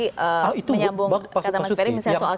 menyambung kata mas reyyan misalnya soal